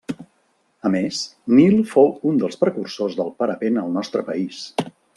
A més, Nil fou un dels precursors del parapent al nostre país.